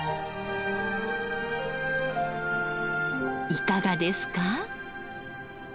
いかがですか？